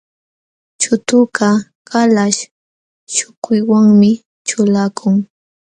Chutukaq kalaśh śhukuywanmi ćhulakun.